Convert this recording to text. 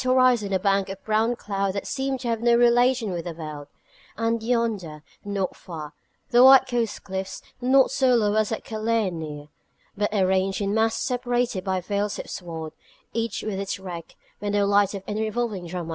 horizon a bank of brown cloud that seemed to have no relation with the world; and yonder, not far, the white coast cliffs, not so low as at Calais near, but arranged in masses separated by vales of sward, each with its wreck: but no light of any revolving drum I saw.